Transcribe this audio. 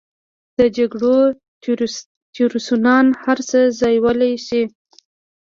د جګړو تیورسنان هر څه ځایولی شي.